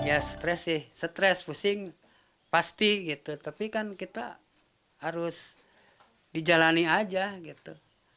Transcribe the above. agus pusing pasti gitu tapi kan kita harus dijalani aja gitu